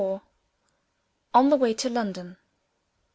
ON THE WAY TO LONDON.